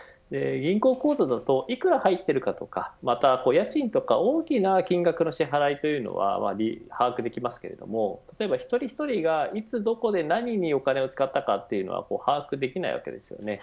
銀行口座だと幾ら入ってくるかとかまた家賃とか大きな金額の支払いというのは把握できますけれども例えば、一人一人がいつどこで何にお金を使ったかというのは把握できないわけです。